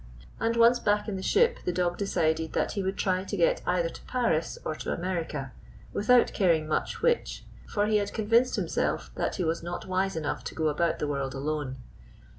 And, once back in the ship, the dog decided that he would try to get either to Paris or to Amer ica, without caring much which; for he had convinced himself that he was not wise enough to go about the world alone.